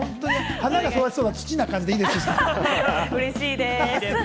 花が育ちそうな土な感じでいうれしいでぃす！